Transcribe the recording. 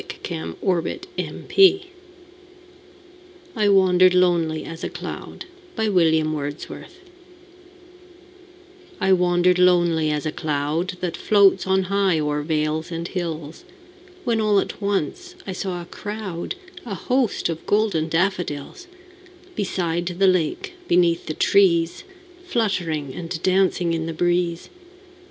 William Wordsworth I Wandered Lonely As a Cloud I WANDERED lonely as a cloud That floats on high o'er vales and hills, When all at once I saw a crowd, A host, of golden daffodils; Beside the lake, beneath the trees, Fluttering and dancing in the breeze.